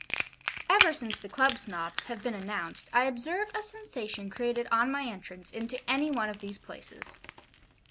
Ever since the Club Snobs have been announced, I observe a sensation created on my entrance into any one of these places.